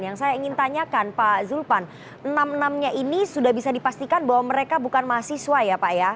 yang saya ingin tanyakan pak zulpan enam enamnya ini sudah bisa dipastikan bahwa mereka bukan mahasiswa ya pak ya